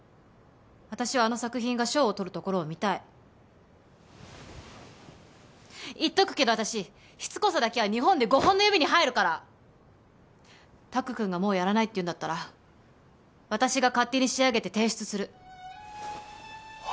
私はあの作品が賞をとるところを見たい言っとくけど私しつこさだけは日本で５本の指に入るから拓くんがもうやらないって言うんだったら私が勝手に仕上げて提出するは？